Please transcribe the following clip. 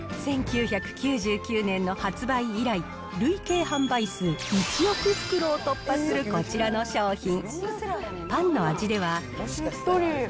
１９９９年の発売以来、累計販売数１億袋を突破するこちらの商品。